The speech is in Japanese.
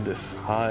はい